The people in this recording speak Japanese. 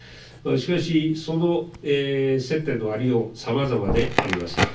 しかし、その接点のありよう、さまざまであります。